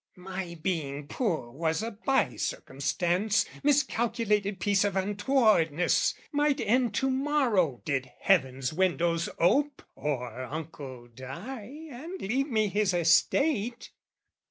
"My being poor was a bye circumstance, "Miscalculated piece of untowardness, "Might end to morrow did heaven's windows ope, "Or uncle die and leave me his estate.